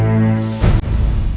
jangan bawa dia